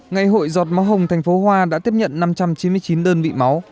ngày hội giọt máu hồng thành phố hoa đã tiếp nhận năm trăm chín mươi chín đơn vị máu